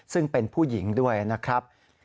ซึ่งเป็นผู้หญิงด้วยนะครับ